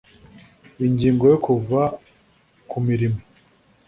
Ingingo yo Kuva ku mirimo